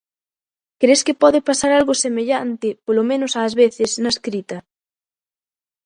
Cres que pode pasar algo semellante, polo menos ás veces, na escrita?